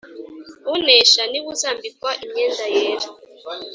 unesha s ni we uzambikwa imyenda yera